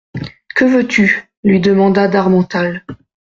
Que veux-tu ? lui demanda d'Harmental.